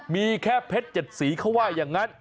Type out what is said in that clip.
มีแค่เพชร๗สีเขาว่าอย่างนั้น